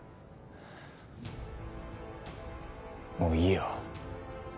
もういいよ。